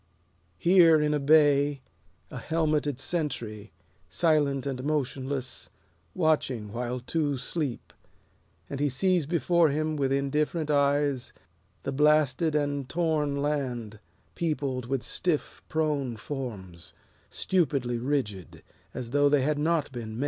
Here in a bay, a helmeted sentry Silent and motionless, watching while two sleep, And he sees before him With indifferent eyes the blasted and torn land Peopled with stiff prone forms, stupidly rigid, As tho' they had not been men.